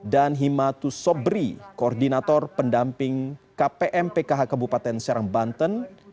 dan himatu sobri koordinator pendamping kpm pkh kabupaten